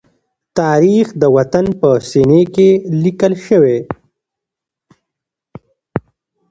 تاریخ د وطن په سینې کې لیکل شوی.